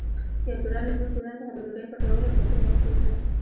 یو تورن له بل تورن څخه د ډوډۍ پټولو په تور محکوم شو.